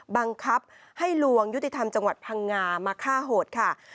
บังคับให้ลวงยุติธรรมจังหวัดพังงามาฆ่าโหดค่ะ